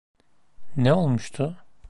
Ne olmuştu?